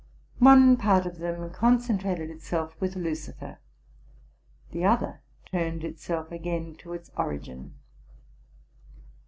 One part of them concentrated itself with Lucifer, the other turned itself again to its origin.